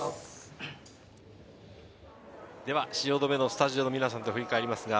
汐留のスタジオの皆さんと振り返ります。